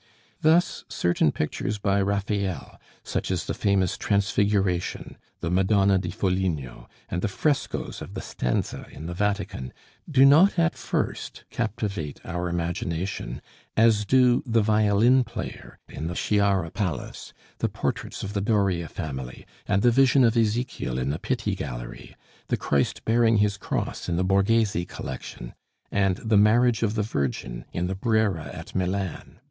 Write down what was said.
Thus, certain pictures by Raphael, such as the famous Transfiguration, the Madonna di Foligno, and the frescoes of the Stanze in the Vatican, do not at first captivate our admiration, as do the Violin player in the Sciarra Palace, the portraits of the Doria family, and the Vision of Ezekiel in the Pitti Gallery, the Christ bearing His Cross in the Borghese collection, and the Marriage of the Virgin in the Brera at Milan.